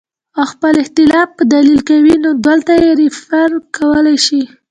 او خپل اختلاف پۀ دليل کوي نو دلته ئې ريفر کولے شئ